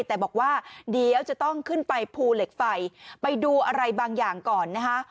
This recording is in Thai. แต่บอกว่าเดี๋ยวจะต้องขึ้นไปภูเหล็กไฟไปดูอะไรบางอย่างก่อนนะคะ